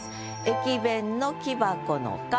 「駅弁の木箱の香」。